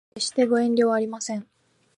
決してご遠慮はありません